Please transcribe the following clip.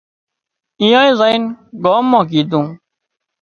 ايئانئي زائين ڳام مان ڪيڌون